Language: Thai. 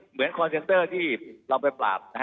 คอนเซนเตอร์ที่เราไปปราบ